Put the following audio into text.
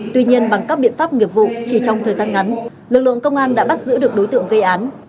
tuy nhiên bằng các biện pháp nghiệp vụ chỉ trong thời gian ngắn lực lượng công an đã bắt giữ được đối tượng gây án